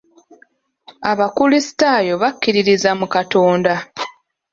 Abakulisito bakkiririza mu Katonda.